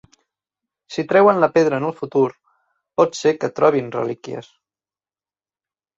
Si treuen la pedra en el futur, pot ser que trobin relíquies.